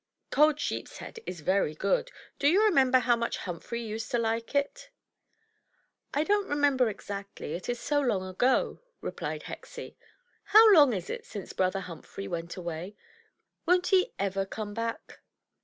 Cold sheep's head is very good. Do you remember how much Humphrey used to like it?" "I don't remember exactly, it is so long ago," repHed Hexie. "How long is it since brother Humphrey went away? Won't he ever come back?"